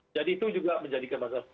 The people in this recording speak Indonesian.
jadi itu juga menjadikan masalah